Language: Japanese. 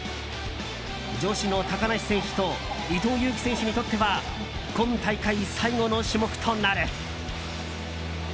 女子の高梨選手と伊藤有希選手にとっては今大会最後の種目となる。